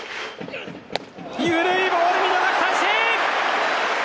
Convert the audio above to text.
緩いボール、見逃し三振！